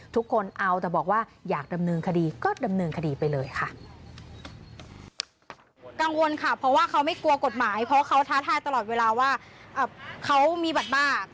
ทุกคนเอาแต่บอกว่าอยากดำเนินคดีก็ดำเนินคดีไปเลยค่ะ